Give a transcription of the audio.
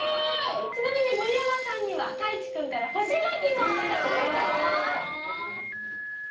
ちなみに盛山さんにはたいちくんから干し柿も届いてます。